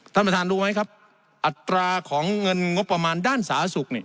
ท่านประธานรู้ไหมครับอัตราของเงินงบประมาณด้านสาธารณสุข